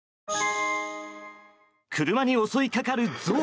車に襲いかかるゾウ。